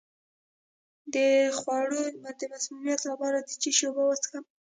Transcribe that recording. د خوړو د مسمومیت لپاره د څه شي اوبه وڅښم؟